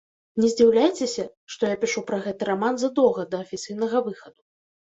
Не здзіўляйцеся, што я пішу пра гэты раман задоўга да афіцыйнага выхаду.